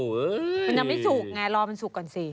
มันยังไม่สุกไงรอมันสุกก่อนสิ